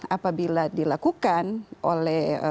apabila dilakukan oleh